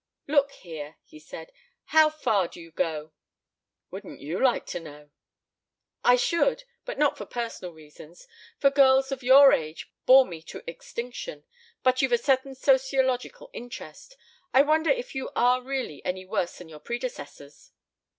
"Look here!" he said. "How far do you go?" "Wouldn't you like to know?" "I should. Not for personal reasons, for girls of your age bore me to extinction, but you've a certain sociological interest. I wonder if you are really any worse than your predecessors?"